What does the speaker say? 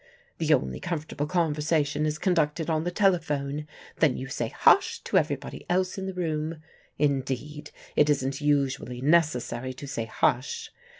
The only comfortable conversation is conducted on the telephone. Then you say 'hush' to everybody else in the room. Indeed, it isn't usually necessary to say 'hush.'